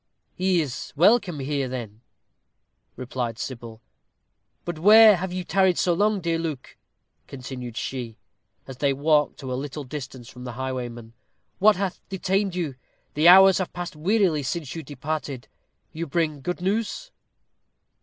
"He is welcome here then," replied Sybil. "But where have you tarried so long, dear Luke?" continued she, as they walked to a little distance from the highwayman. "What hath detained you? The hours have passed wearily since you departed. You bring good news?"